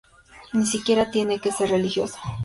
Ni siquiera tiene que ser religioso.